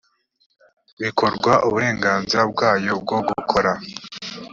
bikorwa uburenganzira bwayo bwo gukora